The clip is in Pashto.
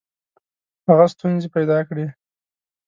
هغه ستونزي پیدا کړې.